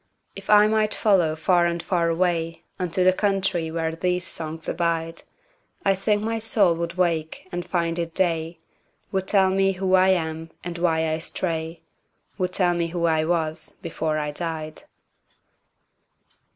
If I might follow far and far awayUnto the country where these songs abide,I think my soul would wake and find it day, Would tell me who I am, and why I stray,—Would tell me who I was before I died.